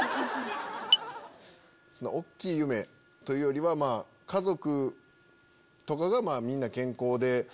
大っきい夢というよりは家族とかがみんな健康で。